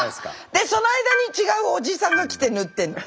でその間に違うおじさんが来て塗ってんの。